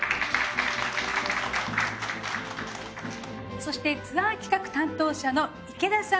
そしてツアー企画担当者の池田さん。